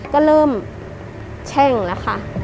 ก็เริ่มแช่งแล้วค่ะ